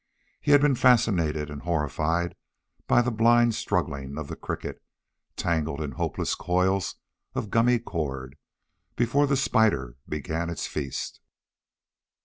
He had been fascinated and horrified by the blind struggling of the cricket, tangled in hopeless coils of gummy cord, before the spider began its feast.